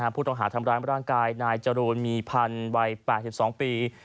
ผู้ต้องหาทำร้ายร่างกายนายจรูนมีพันธ์วัย๘๒ปี